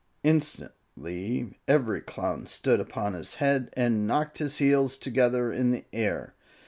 Instantly every Clown stood upon his head and knocked his heels together in the air.